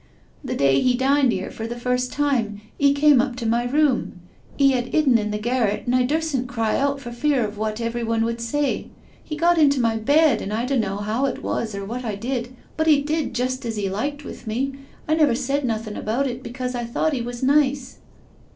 " The day he dined 'ere for the first time, 'e came up to my room. He 'ad 'idden in the garret and I dvirsn't cry out for fear of what everyone would say. He got into my bed, and I dunno' how it was or what I did, but he did just as 'e liked with me. I never said nothin' about it because I thought he was nice."